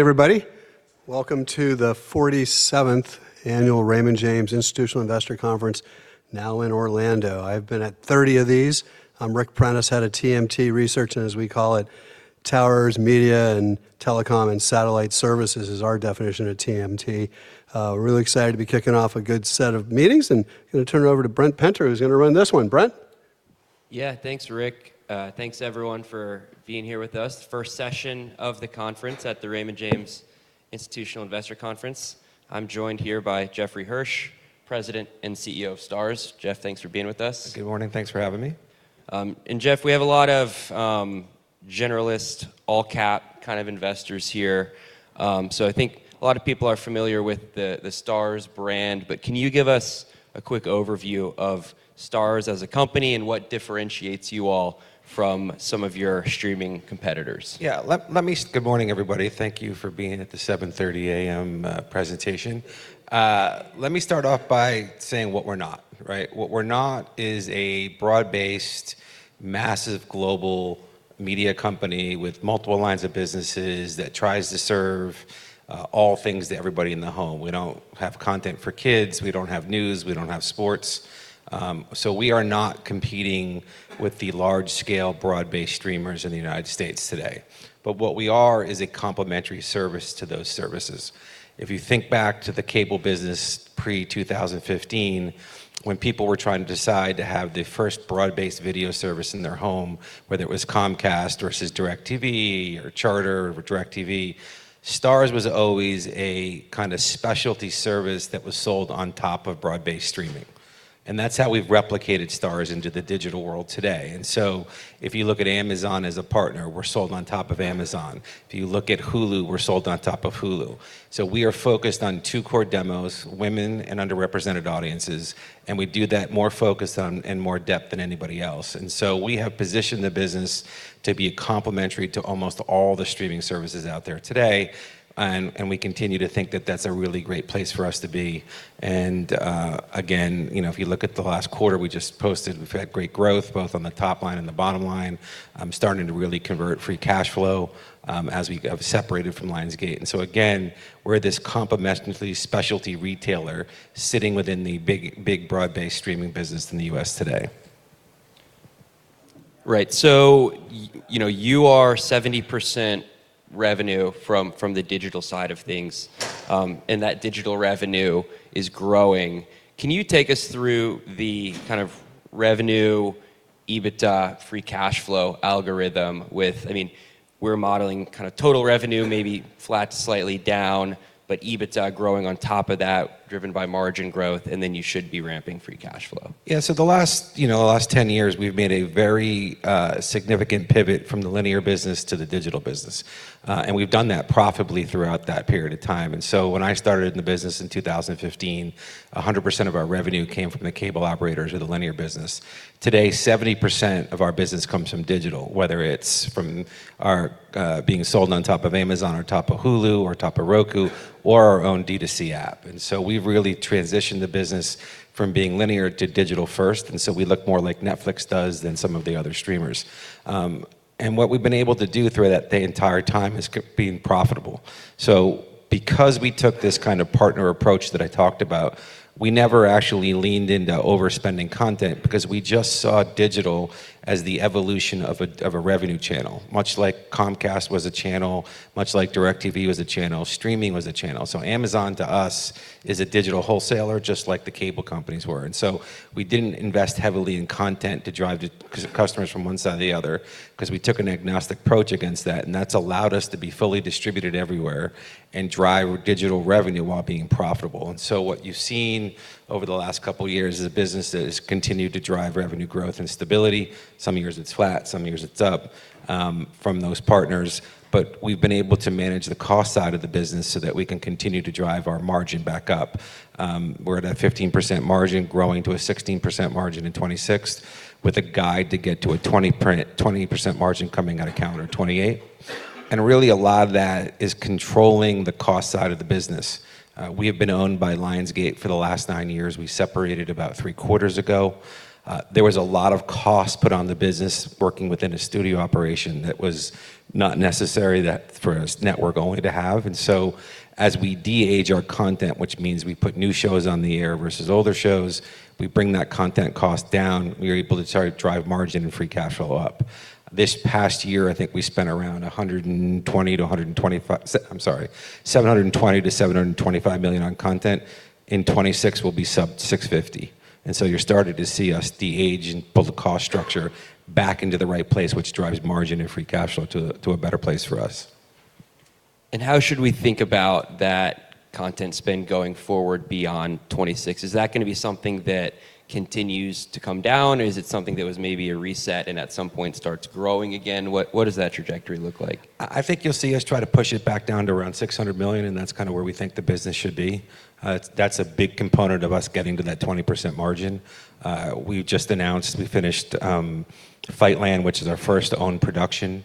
Everybody. Welcome to the 47th Annual Raymond James Institutional Investors Conference, now in Orlando. I've been at 30 of these. I'm Ric Prentiss, Head of TMT Research. As we call it, towers, media, and telecom, and satellite services is our definition of TMT. I'm really excited to be kicking off a good set of meetings. Going to turn it over to Brent Penter, who's going to run this one. Brent? Yeah. Thanks, Ric. Thanks everyone for being here with us. First session of the conference at the Raymond James Institutional Investors Conference. I'm joined here by Jeffrey Hirsch, President and CEO of Starz. Jeff, thanks for being with us. Good morning. Thanks for having me. Jeff, we have a lot of generalist, all-cap kind of investors here. I think a lot of people are familiar with the Starz brand. Can you give us a quick overview of Starz as a company and what differentiates you all from some of your streaming competitors? Yeah. Good morning, everybody. Thank you for being at the 7:30 A.M. presentation. Let me start off by saying what we're not. Right? What we're not is a broad-based, massive global media company with multiple lines of businesses that tries to serve all things to everybody in the home. We don't have content for kids. We don't have news. We don't have sports. We are not competing with the large-scale broad-based streamers in the U.S. today. What we are is a complementary service to those services. If you think back to the cable business pre-2015, when people were trying to decide to have the first broad-based video service in their home, whether it was Comcast versus DirecTV, or Charter with DirecTV, Starz was always a kind of specialty service that was sold on top of broad-based streaming. That's how we've replicated Starz into the digital world today. If you look at Amazon as a partner, we're sold on top of Amazon. If you look at Hulu, we're sold on top of Hulu. We are focused on two core demos, women and underrepresented audiences, and we do that more focused on and more depth than anybody else. We have positioned the business to be complementary to almost all the streaming services out there today. We continue to think that that's a really great place for us to be. Again, if you look at the last quarter, we just posted, we've had great growth both on the top line and the bottom line. Starting to really convert free cash flow as we have separated from Lionsgate. Again, we're this complementary specialty retailer sitting within the big broad-based streaming business in the U.S. today. Right. You are 70% revenue from the digital side of things. That digital revenue is growing. Can you take us through the kind of revenue, EBITDA, free cash flow algorithm? I mean, we're modeling kind of total revenue, maybe flat to slightly down, EBITDA growing on top of that, driven by margin growth, you should be ramping free cash flow. The last 10 years, we've made a very significant pivot from the linear business to the digital business. We've done that profitably throughout that period of time. When I started in the business in 2015, 100% of our revenue came from the cable operators or the linear business. Today, 70% of our business comes from digital, whether it's from our being sold on top of Amazon, or top of Hulu, or top of Roku, or our own D2C app. We've really transitioned the business from being linear to digital first, we look more like Netflix does than some of the other streamers. What we've been able to do throughout that entire time is keep being profitable. Because we took this kind of partner approach that I talked about, we never actually leaned into overspending content because we just saw digital as the evolution of a revenue channel. Much like Comcast was a channel, much like DirecTV was a channel, streaming was a channel. Amazon to us is a digital wholesaler, just like the cable companies were. We didn't invest heavily in content to drive customers from one side to the other because we took an agnostic approach against that's allowed us to be fully distributed everywhere and drive digital revenue while being profitable. What you've seen over the last couple of years is a business that has continued to drive revenue growth and stability. Some years it's flat, some years it's up from those partners. We've been able to manage the cost side of the business so that we can continue to drive our margin back up. We're at a 15% margin growing to a 16% margin in 2026 with a guide to get to a 20% margin coming out of calendar 2028. Really a lot of that is controlling the cost side of the business. We have been owned by Lionsgate for the last nine years. We separated about three quarters ago. There was a lot of cost put on the business working within a studio operation that was not necessary for a network only to have. As we de-age our content, which means we put new shows on the air versus older shows, we bring that content cost down. We are able to start drive margin and free cash flow up. This past year, I think we spent around $720 million-$725 million on content. In 2026, we'll be sub $650 million, you're starting to see us de-age and put the cost structure back into the right place, which drives margin and free cash flow to a better place for us. How should we think about that content spend going forward beyond 2026? Is that going to be something that continues to come down, or is it something that was maybe a reset and at some point starts growing again? What does that trajectory look like? I think you'll see us try to push it back down to around $600 million, that's kind of where we think the business should be. That's a big component of us getting to that 20% margin. We just announced we finished "Fightland," which is our first own production.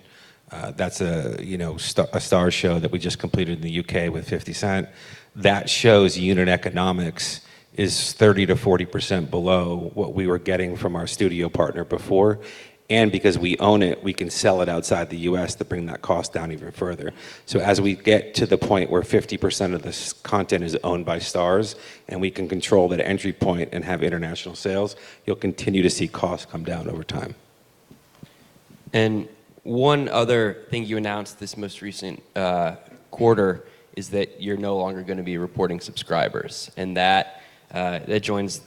That's a Starz show that we just completed in the U.K. with 50 Cent. That show's unit economics is 30%-40% below what we were getting from our studio partner before. Because we own it, we can sell it outside the U.S. to bring that cost down even further. As we get to the point where 50% of the content is owned by Starz, and we can control that entry point and have international sales, you'll continue to see costs come down over time. One other thing you announced this most recent quarter is that you're no longer going to be reporting subscribers, that joins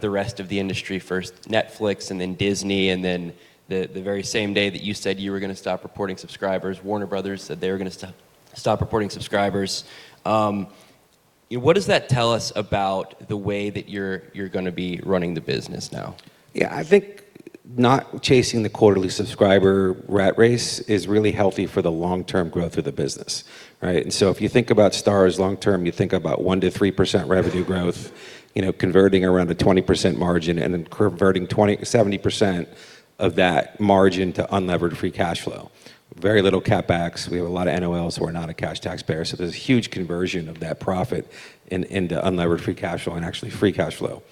the rest of the industry. First Netflix, then Disney, then the very same day that you said you were going to stop reporting subscribers, Warner Bros. said they were going to stop reporting subscribers. What does that tell us about the way that you're going to be running the business now? I think not chasing the quarterly subscriber rat race is really healthy for the long-term growth of the business. Right? If you think about Starz long term, you think about 1%-3% revenue growth, converting around a 20% margin, converting 70% of that margin to unlevered free cash flow. Very little CapEx. We have a lot of NOLs. We're not a cash taxpayer. There's a huge conversion of that profit into unlevered free cash flow and actually free cash flow.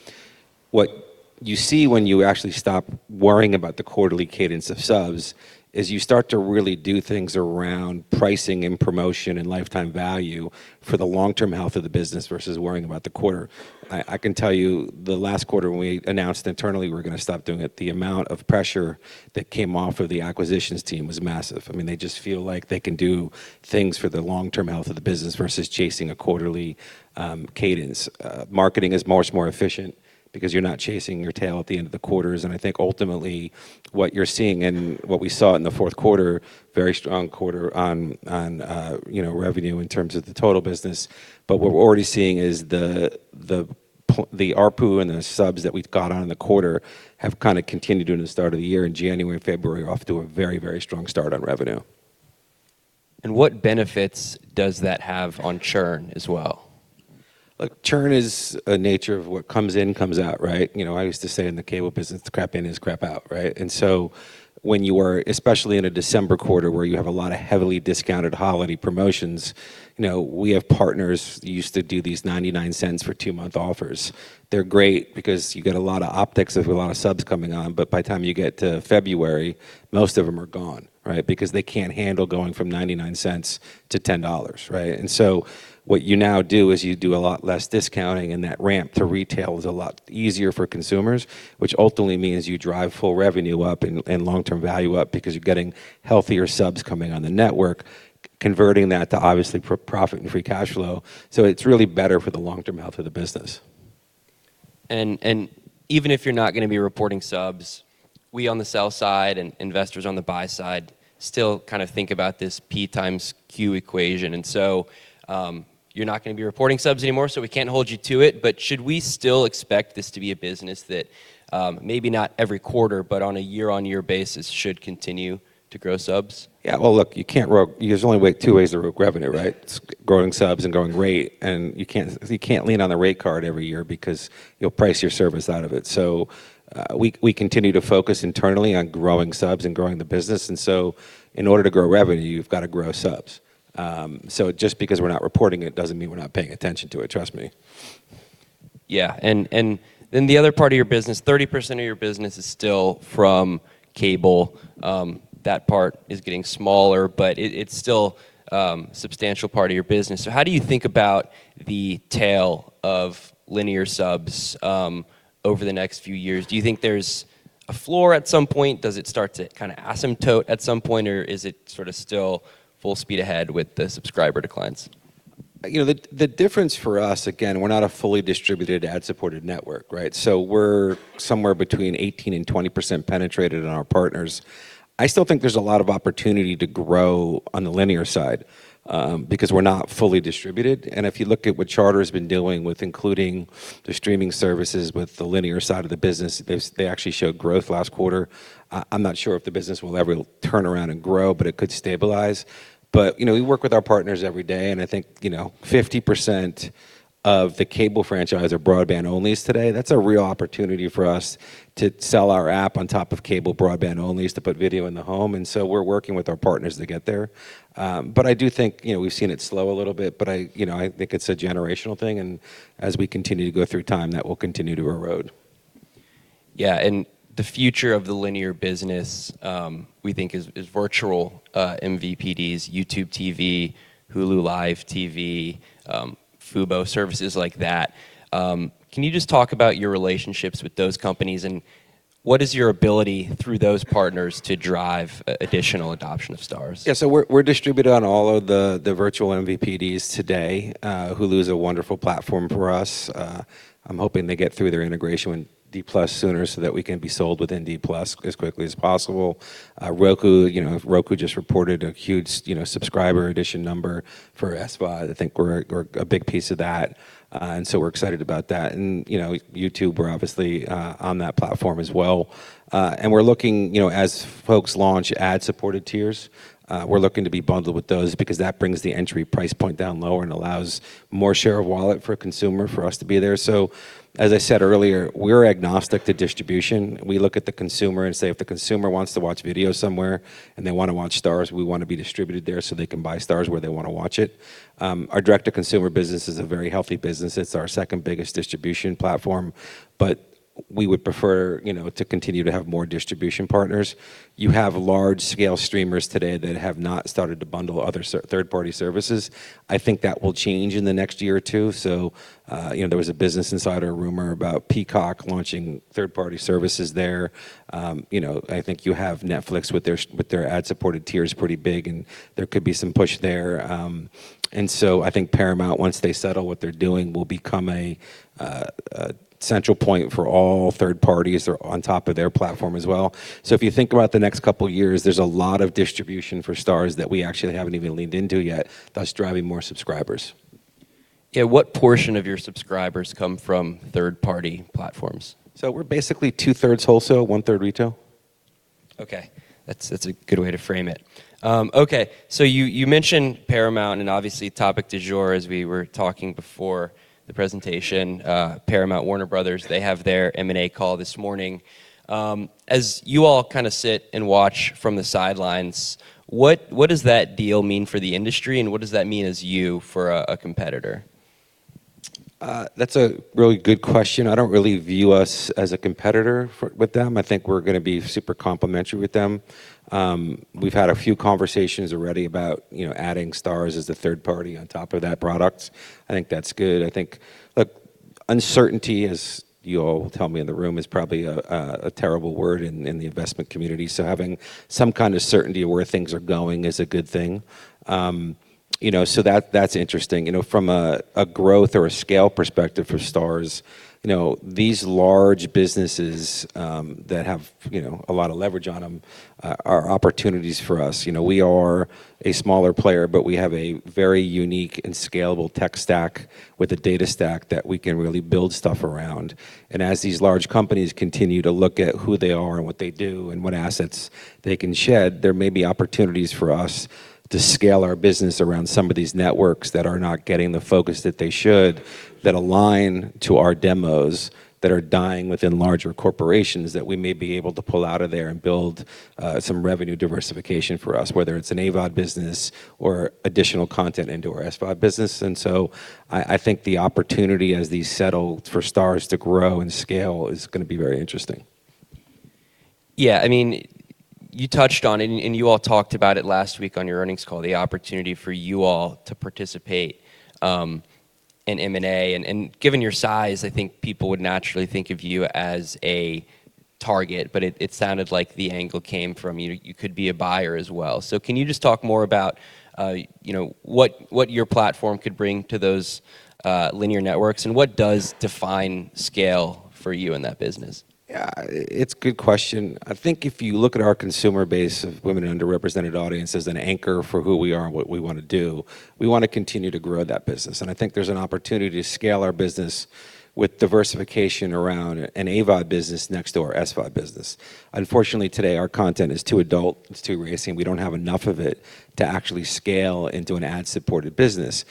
What you see when you actually stop worrying about the quarterly cadence of subs is you start to really do things around pricing and promotion and lifetime value for the long-term health of the business versus worrying about the quarter. I can tell you the last quarter when we announced internally we were going to stop doing it, the amount of pressure that came off of the acquisitions team was massive. They just feel like they can do things for the long-term health of the business versus chasing a quarterly cadence. Marketing is much more efficient because you're not chasing your tail at the end of the quarters. I think ultimately what you're seeing and what we saw in the fourth quarter, very strong quarter on revenue in terms of the total business. What we're already seeing is the ARPU and the subs that we've got on in the quarter have continued into the start of the year in January and February off to a very strong start on revenue. What benefits does that have on churn as well? Look, churn is a nature of what comes in, comes out, right? I used to say in the cable business, "Crap in is crap out." Right? When you are, especially in a December quarter where you have a lot of heavily discounted holiday promotions. We have partners who used to do these $0.99 for two-month offers. They're great because you get a lot of optics with a lot of subs coming on, but by the time you get to February, most of them are gone. Right? Because they can't handle going from $0.99 to $10. Right? What you now do is you do a lot less discounting, and that ramp to retail is a lot easier for consumers, which ultimately means you drive full revenue up and long-term value up because you're getting healthier subs coming on the network, converting that to obviously profit and free cash flow. It's really better for the long-term health of the business. Even if you're not going to be reporting subs, we on the sell side and investors on the buy side still think about this P times Q equation. You're not going to be reporting subs anymore, so we can't hold you to it, but should we still expect this to be a business that, maybe not every quarter, but on a year-on-year basis should continue to grow subs? Well, look, there's only two ways to grow revenue, right? Growing subs and growing rate. You can't lean on the rate card every year because you'll price your service out of it. We continue to focus internally on growing subs and growing the business. In order to grow revenue, you've got to grow subs. Just because we're not reporting it doesn't mean we're not paying attention to it, trust me. The other part of your business, 30% of your business is still from cable. That part is getting smaller, but it's still a substantial part of your business. How do you think about the tail of linear subs over the next few years? Do you think there's a floor at some point? Does it start to asymptote at some point, or is it still full speed ahead with the subscriber declines? The difference for us, again, we're not a fully distributed ad-supported network, right? We're somewhere between 18% and 20% penetrated in our partners. I still think there's a lot of opportunity to grow on the linear side because we're not fully distributed. If you look at what Charter's been doing with including the streaming services with the linear side of the business, they actually showed growth last quarter. I'm not sure if the business will ever turn around and grow, but it could stabilize. We work with our partners every day, and I think 50% of the cable franchisor broadband-onlys today, that's a real opportunity for us to sell our app on top of cable broadband-onlys to put video in the home. We're working with our partners to get there. I do think we've seen it slow a little bit, but I think it's a generational thing, and as we continue to go through time, that will continue to erode. The future of the linear business, we think, is virtual MVPDs, YouTube TV, Hulu + Live TV, Fubo, services like that. Can you just talk about your relationships with those companies, and what is your ability through those partners to drive additional adoption of Starz? We're distributed on all of the virtual MVPDs today. Hulu is a wonderful platform for us. I'm hoping they get through their integration with D+ sooner so that we can be sold within D+ as quickly as possible. Roku just reported a huge subscriber addition number for SVOD. I think we're a big piece of that, we're excited about that. YouTube, we're obviously on that platform as well. We're looking as folks launch ad-supported tiers, we're looking to be bundled with those because that brings the entry price point down lower and allows more share of wallet for a consumer for us to be there. As I said earlier, we're agnostic to distribution. We look at the consumer and say if the consumer wants to watch video somewhere and they want to watch Starz, we want to be distributed there so they can buy Starz where they want to watch it. Our direct-to-consumer business is a very healthy business. It's our second-biggest distribution platform. We would prefer to continue to have more distribution partners. You have large-scale streamers today that have not started to bundle other third-party services. I think that will change in the next year or two. There was a Business Insider rumor about Peacock launching third-party services there. I think you have Netflix with their ad-supported tier is pretty big, and there could be some push there. I think Paramount, once they settle what they're doing, will become a central point for all third parties on top of their platform as well. If you think about the next couple of years, there's a lot of distribution for Starz that we actually haven't even leaned into yet, thus driving more subscribers. Yeah. What portion of your subscribers come from third-party platforms? We're basically two-thirds wholesale, one-third retail. Okay. That's a good way to frame it. Okay. You mentioned Paramount, and obviously topic du jour as we were talking before the presentation. Paramount, Warner Bros., they have their M&A call this morning. As you all sit and watch from the sidelines, what does that deal mean for the industry, and what does that mean as you for a competitor? That's a really good question. I don't really view us as a competitor with them. I think we're going to be super complementary with them. We've had a few conversations already about adding Starz as the third party on top of that product. I think that's good. I think uncertainty, as you all will tell me in the room, is probably a terrible word in the investment community. Having some kind of certainty where things are going is a good thing. That's interesting. From a growth or a scale perspective for Starz, these large businesses that have a lot of leverage on them are opportunities for us. We are a smaller player, but we have a very unique and scalable tech stack with a data stack that we can really build stuff around. As these large companies continue to look at who they are and what they do and what assets they can shed, there may be opportunities for us to scale our business around some of these networks that are not getting the focus that they should, that align to our demos, that are dying within larger corporations, that we may be able to pull out of there and build some revenue diversification for us, whether it's an AVOD business or additional content into our SVOD business. I think the opportunity as these settle for Starz to grow and scale is going to be very interesting. Yeah. You touched on it and you all talked about it last week on your earnings call, the opportunity for you all to participate in M&A. Given your size, I think people would naturally think of you as a target, but it sounded like the angle came from you could be a buyer as well. Can you just talk more about what your platform could bring to those linear networks, and what does define scale for you in that business? Yeah. It's a good question. I think if you look at our consumer base of women and underrepresented audiences as an anchor for who we are and what we want to do, we want to continue to grow that business. I think there's an opportunity to scale our business with diversification around an AVOD business next to our SVOD business. Unfortunately, today, our content is too adult, it's too racy, and we don't have enough of it to actually scale into an ad-supported business.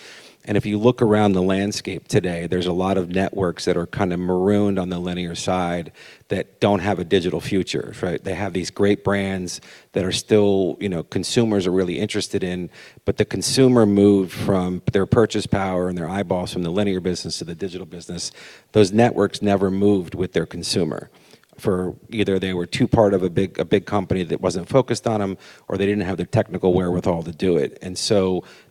If you look around the landscape today, there's a lot of networks that are kind of marooned on the linear side that don't have a digital future, right? They have these great brands that are still consumers are really interested in, but the consumer moved from their purchase power and their eyeballs from the linear business to the digital business. Those networks never moved with their consumer, for either they were too part of a big company that wasn't focused on them, or they didn't have the technical wherewithal to do it.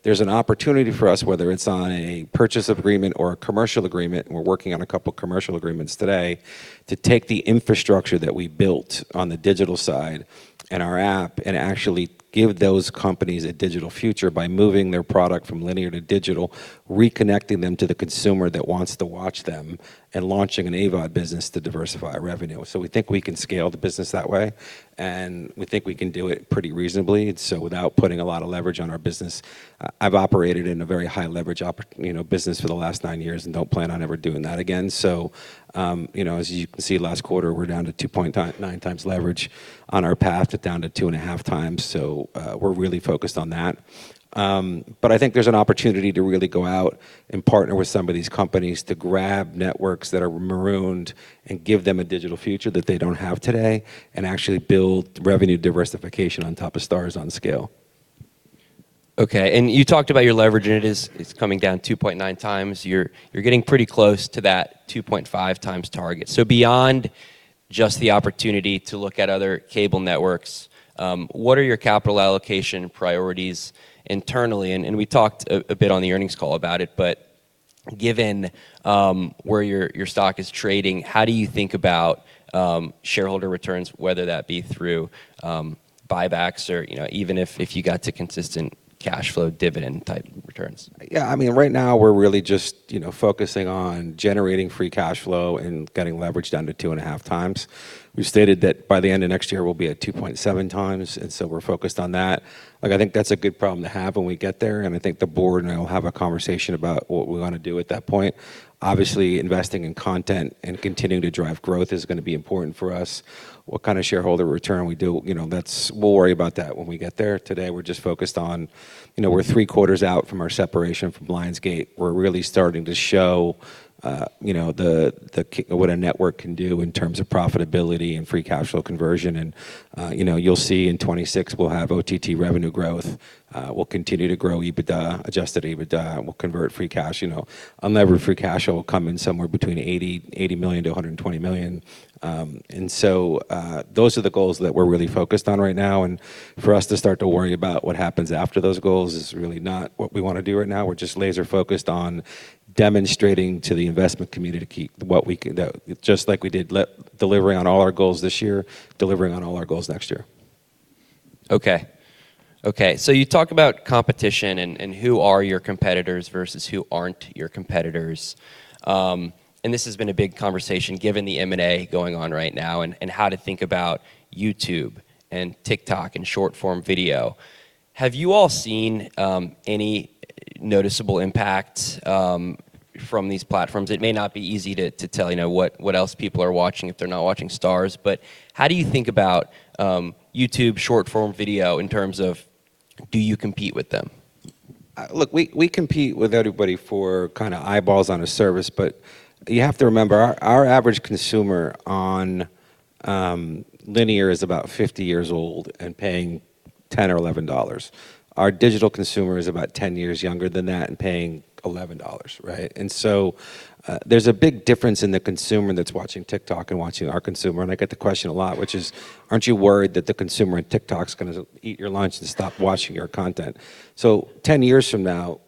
There's an opportunity for us, whether it's on a purchase agreement or a commercial agreement, and we're working on a couple of commercial agreements today, to take the infrastructure that we built on the digital side and our app and actually give those companies a digital future by moving their product from linear to digital, reconnecting them to the consumer that wants to watch them, and launching an AVOD business to diversify our revenue. We think we can scale the business that way, and we think we can do it pretty reasonably. Without putting a lot of leverage on our business. I've operated in a very high leverage business for the last nine years and don't plan on ever doing that again. As you can see, last quarter, we're down to 2.9 times leverage on our path to down to 2.5 times. We're really focused on that. I think there's an opportunity to really go out and partner with some of these companies to grab networks that are marooned and give them a digital future that they don't have today, and actually build revenue diversification on top of Starz on scale. Okay. You talked about your leverage, and it is coming down 2.9 times. You're getting pretty close to that 2.5 times target. Beyond just the opportunity to look at other cable networks, what are your capital allocation priorities internally? We talked a bit on the earnings call about it, but given where your stock is trading, how do you think about shareholder returns, whether that be through buybacks or even if you got to consistent cash flow dividend type returns? Yeah. Right now we're really just focusing on generating free cash flow and getting leverage down to 2.5 times. We've stated that by the end of next year, we'll be at 2.7 times, and so we're focused on that. I think that's a good problem to have when we get there, and I think the board and I will have a conversation about what we want to do at that point. Obviously, investing in content and continuing to drive growth is going to be important for us. What kind of shareholder return we do, we'll worry about that when we get there. Today, we're just focused on we're three quarters out from our separation from Lionsgate. We're really starting to show what a network can do in terms of profitability and free cash flow conversion. You'll see in 2026, we'll have OTT revenue growth. We'll continue to grow EBITDA, adjusted EBITDA, and we'll convert free cash. Unlevered free cash will come in somewhere between $80 million-$120 million. Those are the goals that we're really focused on right now. For us to start to worry about what happens after those goals is really not what we want to do right now. We're just laser-focused on demonstrating to the investment community just like we did delivering on all our goals this year, delivering on all our goals next year. Okay. You talk about competition and who are your competitors versus who aren't your competitors. This has been a big conversation given the M&A going on right now and how to think about YouTube and TikTok and short-form video. Have you all seen any noticeable impact from these platforms? It may not be easy to tell what else people are watching if they're not watching Starz, but how do you think about YouTube short-form video in terms of do you compete with them? Look, we compete with everybody for eyeballs on a service, but you have to remember, our average consumer on linear is about 50 years old and paying $10 or $11. Our digital consumer is about 10 years younger than that and paying $11, right? There's a big difference in the consumer that's watching TikTok and watching our consumer, and I get the question a lot, which is, "Aren't you worried that the consumer on TikTok is going to eat your lunch and stop watching your content?" 10 years from now,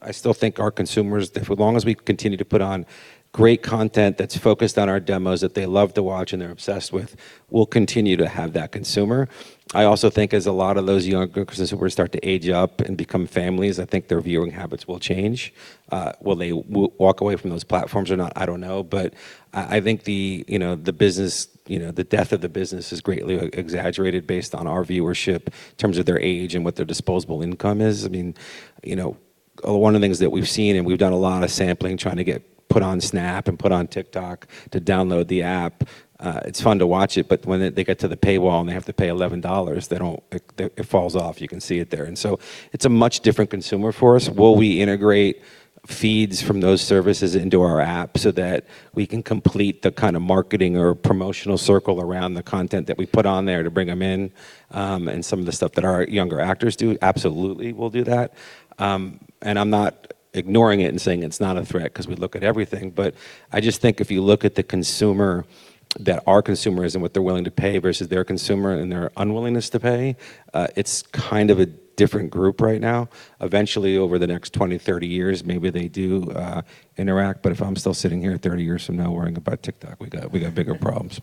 I still think our consumers, as long as we continue to put on great content that's focused on our demos that they love to watch and they're obsessed with, we'll continue to have that consumer. I also think as a lot of those younger consumers start to age up and become families, I think their viewing habits will change. Will they walk away from those platforms or not? I don't know. I think the death of the business is greatly exaggerated based on our viewership in terms of their age and what their disposable income is. One of the things that we've seen, and we've done a lot of sampling trying to get put on Snap and put on TikTok to download the app. It's fun to watch it, but when they get to the paywall and they have to pay $11, it falls off. You can see it there. It's a much different consumer for us. Will we integrate feeds from those services into our app so that we can complete the kind of marketing or promotional circle around the content that we put on there to bring them in? Some of the stuff that our younger actors do, absolutely, we'll do that. I'm not ignoring it and saying it's not a threat because we look at everything, I just think if you look at the consumer, that our consumerism, what they're willing to pay versus their consumer and their unwillingness to pay, it's kind of a different group right now. Eventually, over the next 20, 30 years, maybe they do interact. If I'm still sitting here 30 years from now worrying about TikTok, we got bigger problems.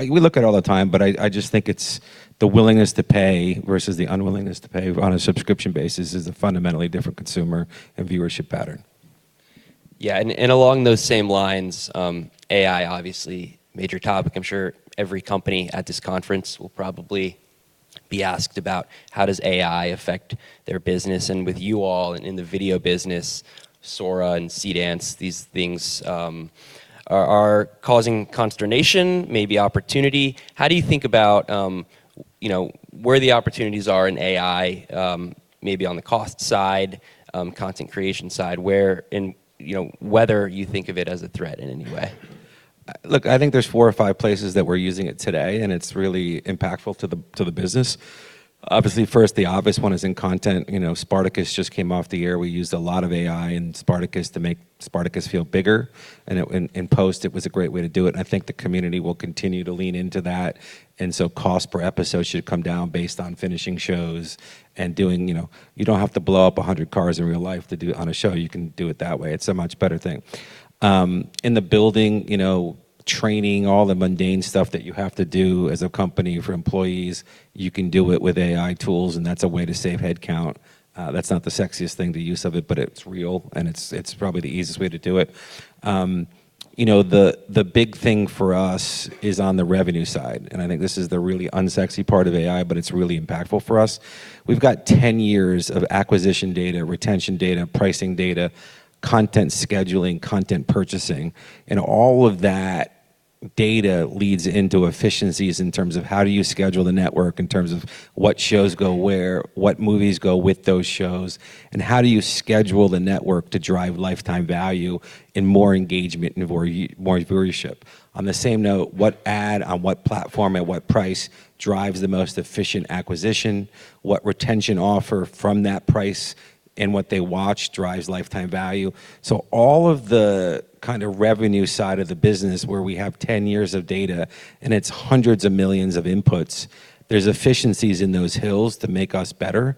We look at it all the time, I just think it's the willingness to pay versus the unwillingness to pay on a subscription basis is a fundamentally different consumer and viewership pattern. Yeah. Along those same lines, AI, obviously a major topic. I'm sure every company at this conference will probably be asked about how does AI affect their business, with you all and in the video business, Sora and Seedance, these things are causing consternation, maybe opportunity. How do you think about where the opportunities are in AI? Maybe on the cost side, content creation side, whether you think of it as a threat in any way. Look, I think there's four or five places that we're using it today, it's really impactful to the business. Obviously, first, the obvious one is in content. Spartacus just came off the air. We used a lot of AI in Spartacus to make Spartacus feel bigger. In post, it was a great way to do it. I think the community will continue to lean into that, cost per episode should come down based on finishing shows and doing-- You don't have to blow up 100 cars in real life to do it on a show. You can do it that way. It's a much better thing. In the building, training, all the mundane stuff that you have to do as a company for employees, you can do it with AI tools, that's a way to save headcount. That's not the sexiest thing, the use of it, but it's real and it's probably the easiest way to do it. The big thing for us is on the revenue side. I think this is the really unsexy part of AI, but it's really impactful for us. We've got 10 years of acquisition data, retention data, pricing data, content scheduling, content purchasing, and all of that data leads into efficiencies in terms of how do you schedule the network, in terms of what shows go where, what movies go with those shows, and how do you schedule the network to drive lifetime value and more engagement and more viewership. On the same note, what ad on what platform at what price drives the most efficient acquisition? What retention offer from that price and what they watch drives lifetime value? All of the kind of revenue side of the business where we have 10 years of data and it's hundreds of millions of inputs, there's efficiencies in those hills that make us better.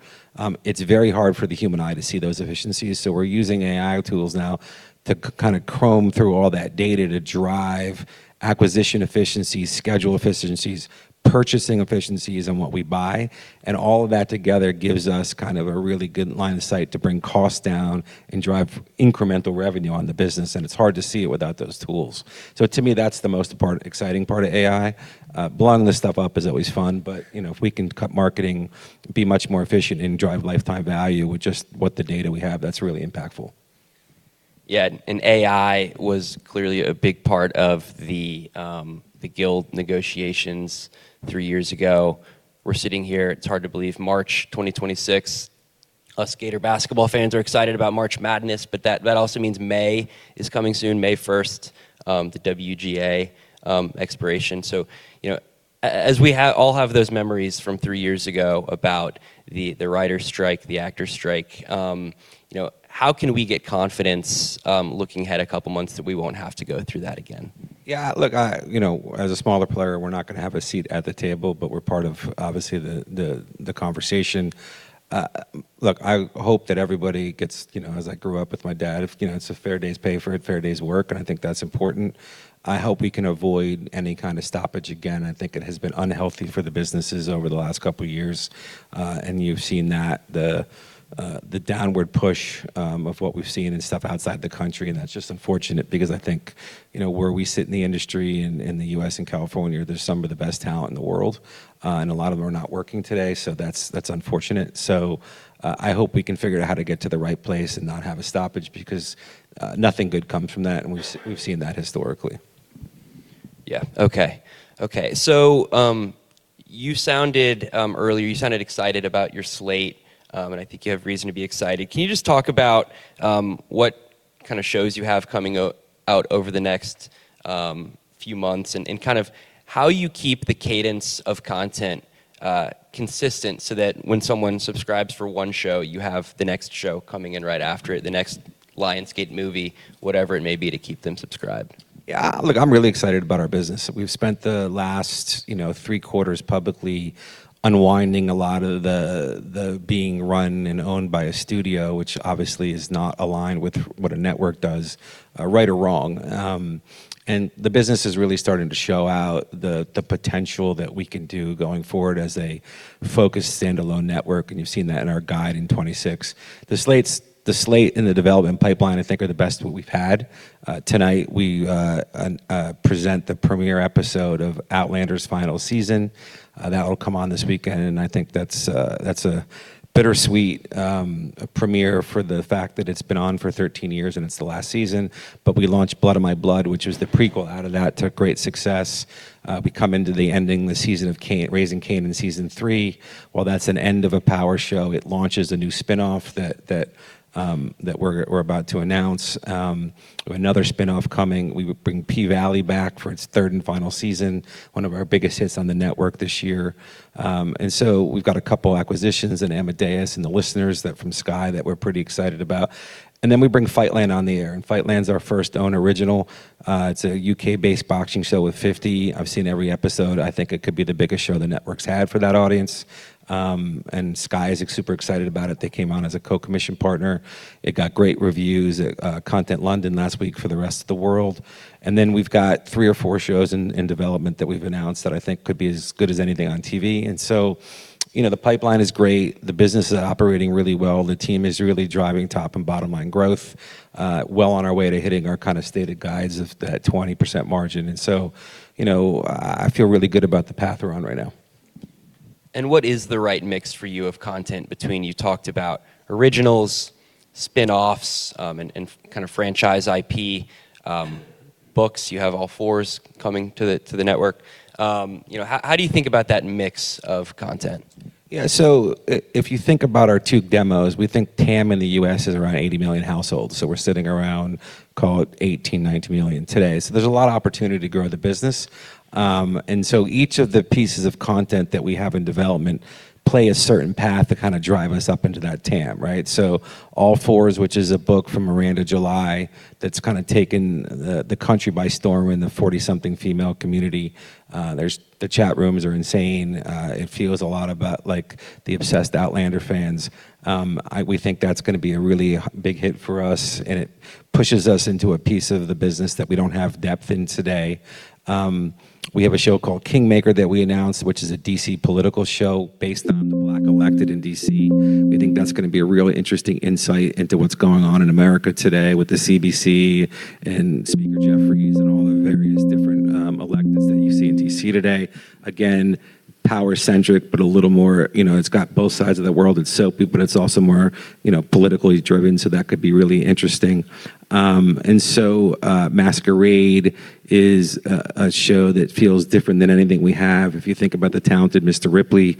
It's very hard for the human eye to see those efficiencies, so we're using AI tools now to kind of comb through all that data to drive acquisition efficiencies, schedule efficiencies, purchasing efficiencies on what we buy. All of that together gives us kind of a really good line of sight to bring costs down and drive incremental revenue on the business, and it's hard to see it without those tools. To me, that's the most exciting part of AI. Blowing this stuff up is always fun, but if we can cut marketing, be much more efficient and drive lifetime value with just what the data we have, that's really impactful. Yeah. AI was clearly a big part of the guild negotiations three years ago. We're sitting here, it's hard to believe, March 2026. Us Gator basketball fans are excited about March Madness, but that also means May is coming soon. May 1st, the WGA expiration. As we all have those memories from three years ago about the writer's strike, the actor's strike. How can we get confidence, looking ahead a couple of months, that we won't have to go through that again? Yeah, look, as a smaller player, we're not going to have a seat at the table, but we're part of, obviously, the conversation. Look, I hope that everybody gets. As I grew up with my dad, it's a fair day's pay for a fair day's work, and I think that's important. I hope we can avoid any kind of stoppage again. I think it has been unhealthy for the businesses over the last couple of years. You've seen that, the downward push of what we've seen and stuff outside the country, and that's just unfortunate because I think, where we sit in the industry in the U.S. and California, there's some of the best talent in the world. A lot of them are not working today, so that's unfortunate. I hope we can figure out how to get to the right place and not have a stoppage because nothing good comes from that, and we've seen that historically. Yeah. Okay. Earlier you sounded excited about your slate, and I think you have reason to be excited. Can you just talk about what kind of shows you have coming out over the next few months and kind of how you keep the cadence of content consistent, so that when someone subscribes for one show, you have the next show coming in right after it, the next Lionsgate movie, whatever it may be to keep them subscribed? Yeah. Look, I'm really excited about our business. We've spent the last three quarters publicly unwinding a lot of the being run and owned by a studio, which obviously is not aligned with what a network does, right or wrong. The business is really starting to show out the potential that we can do going forward as a focused standalone network, and you've seen that in our guide in 2026. The slate in the development pipeline I think are the best that we've had. Tonight, we present the premiere episode of "Outlander's" final season. That'll come on this weekend, and I think that's a bittersweet premiere for the fact that it's been on for 13 years and it's the last season. We launched "Blood of My Blood," which was the prequel out of that. It took great success. We come into the ending, the season of "Raising Kanan" in Season 3. While that's an end of a Power show, it launches a new spinoff that we're about to announce. We have another spinoff coming. We bring "P-Valley" back for its third and final season, one of our biggest hits on the network this year. We've got a couple acquisitions in "Amadeus" and "The Listeners" from Sky that we're pretty excited about. We bring "Fightland" on the air, and "Fightland"'s our first own original. It's a U.K.-based boxing show with 50. I've seen every episode. I think it could be the biggest show the network's had for that audience. Sky is super excited about it. They came on as a co-commission partner. It got great reviews at Content London last week for the rest of the world. We've got three or four shows in development that we've announced that I think could be as good as anything on TV. The pipeline is great. The business is operating really well. The team is really driving top and bottom-line growth. Well on our way to hitting our kind of stated guides of that 20% margin. I feel really good about the path we're on right now. What is the right mix for you of content between, you talked about originals, spinoffs, and kind of franchise IP, books. You have "All Fours" coming to the network. How do you think about that mix of content? If you think about our two demos, we think TAM in the U.S. is around 80 million households. We're sitting around, call it 80, 90 million today. There's a lot of opportunity to grow the business. Each of the pieces of content that we have in development play a certain path to kind of drive us up into that TAM, right? "All Fours," which is a book from Miranda July, that's kind of taken the country by storm in the 40-something female community. The chat rooms are insane. It feels a lot about like the obsessed "Outlander" fans. We think that's going to be a really big hit for us, and it pushes us into a piece of the business that we don't have depth in today. We have a show called "Kingmaker" that we announced, which is a D.C. political show based on the Black elected in D.C. We think that's going to be a real interesting insight into what's going on in America today with the CBC and Speaker Jeffries and all the various different electeds that you see in D.C. today. Again, power centric. It's got both sides of the world. It's soapy, but it's also more politically driven, so that could be really interesting. "Masquerade" is a show that feels different than anything we have. If you think about "The Talented Mr. Ripley,"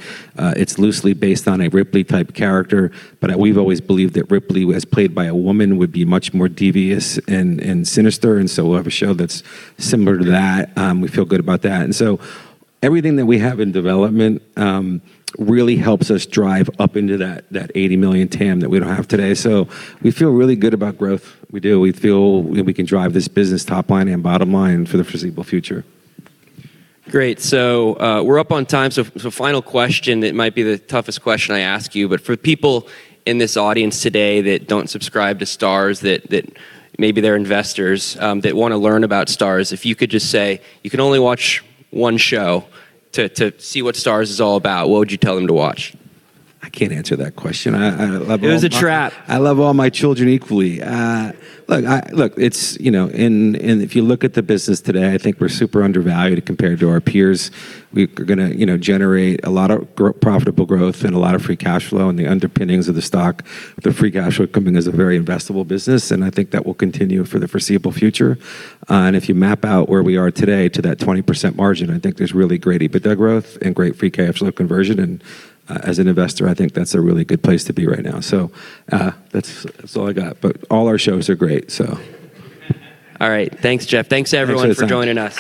it's loosely based on a Ripley-type character. We've always believed that Ripley, as played by a woman, would be much more devious and sinister, so we'll have a show that's similar to that. We feel good about that. Everything that we have in development really helps us drive up into that 80 million TAM that we don't have today. We feel really good about growth. We do. We feel we can drive this business top line and bottom line for the foreseeable future. Great. We're up on time, so final question that might be the toughest question I ask you. For people in this audience today that don't subscribe to Starz, that maybe they're investors that want to learn about Starz, if you could just say you can only watch one show to see what Starz is all about, what would you tell them to watch? I can't answer that question. I love all. It was a trap. I love all my children equally. Look, if you look at the business today, I think we're super undervalued compared to our peers. We're going to generate a lot of profitable growth and a lot of free cash flow and the underpinnings of the stock, the free cash flow coming as a very investable business, and I think that will continue for the foreseeable future. If you map out where we are today to that 20% margin, I think there's really great EBITDA growth and great free cash flow conversion. As an investor, I think that's a really good place to be right now. That's all I got. All our shows are great. All right. Thanks, Jeff. Thanks, everyone. Thanks for the time. for joining us.